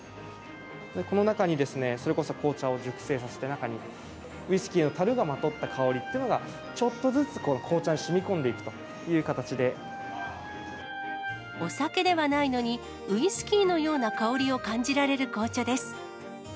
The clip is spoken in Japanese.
この中にですね、それこそ紅茶を熟成させて、中に、ウイスキーのたるがまとった香りというのが、ちょっとずつ紅茶にお酒ではないのに、ウイスキーのような香りを感じられる紅茶です。